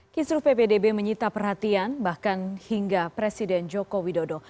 kisru ppdb menyita perhatian bahkan hingga presiden joko widodo